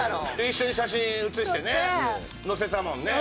一緒に写真写してね載せたもんねＳＮＳ。